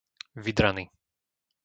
Vydrany